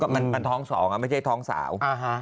มันท้องสองไม่ใช่ท้องสาว